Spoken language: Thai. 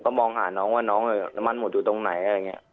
มองหาน้องว่าน้องน้ำมันหมดอยู่ตรงไหนอะไรอย่างนี้